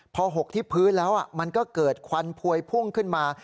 พอหกที่พื้นแล้วมันก็เกิดควันพวยพุ่งขึ้นมา